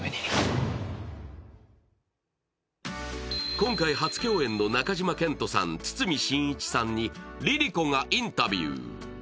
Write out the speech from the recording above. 今回、初共演の中島健人さん堤真一さんにＬｉＬｉＣｏがインタビュー。